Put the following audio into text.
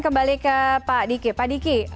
kembali ke pak diki pak diki